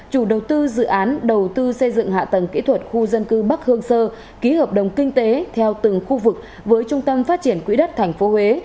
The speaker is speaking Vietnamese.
chủ đầu tư dự án đầu tư xây dựng hạ tầng kỹ thuật khu dân cư bắc hương sơ ký hợp đồng kinh tế theo từng khu vực với trung tâm phát triển quỹ đất tp huế